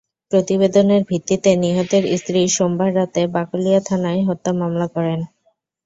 প্রতিবেদনের ভিত্তিতে নিহতের স্ত্রী সোমবার রাতে বাকলিয়া থানায় হত্যা মামলা করেন।